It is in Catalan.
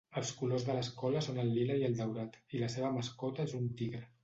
Els colors de l'escola són el lila i el daurat, i la seva mascota és un tigre.